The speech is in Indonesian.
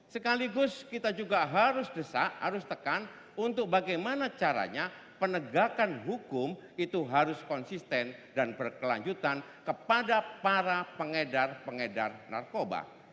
sekaligus kita juga harus desak harus tekan untuk bagaimana caranya penegakan hukum itu harus konsisten dan berkelanjutan kepada para pengedar pengedar narkoba